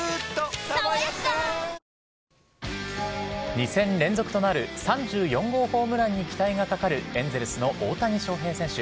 ２戦連続となる３４号ホームランに期待がかかるエンゼルスの大谷翔平選手。